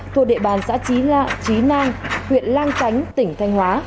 thuộc địa bàn xã trí lạ trí nang huyện lang chánh tỉnh thanh hóa